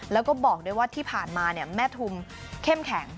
แล้วก็บอกด้วยว่าที่ผ่านมาแม่ทุมเข้มแข็ง